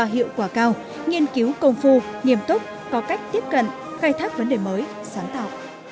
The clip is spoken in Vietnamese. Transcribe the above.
hiệu quả cao nghiên cứu công phu nghiêm túc có cách tiếp cận khai thác vấn đề mới sáng tạo